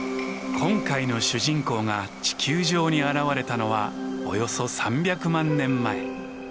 今回の主人公が地球上に現れたのはおよそ３００万年前。